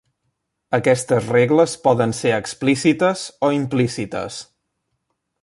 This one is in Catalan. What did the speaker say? Aquestes regles poden ser explícites o implícites.